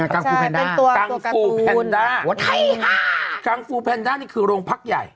ใช่เป็นตัวการ์ตูนโอ้ไอ้ฮ่ากังฟูแพนด้านี่คือโรงพักใหญ่